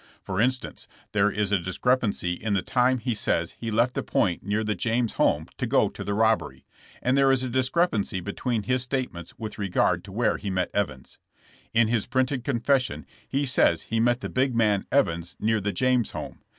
For instance, there is a discrepancy in the time he says he left the point near the James home to go to the robbery, and there is a discrepancy between his statements with regard to where he met Evans. "In his printed confession he says he met the big man Evans near the James home.